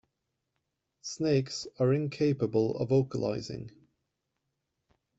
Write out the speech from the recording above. Snakes are incapable of vocalising.